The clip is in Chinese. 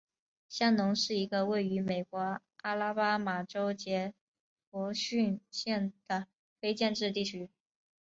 香农是一个位于美国阿拉巴马州杰佛逊县的非建制地区。